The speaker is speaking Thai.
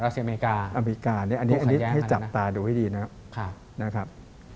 อเมริกาอเมริกาเนี่ยอันนี้ให้จับตาดูให้ดีนะครับ